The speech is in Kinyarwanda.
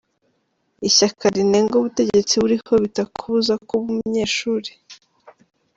ishyaka rinenga ubutegetsi buriho bitakubuza kuba umunyeshuri,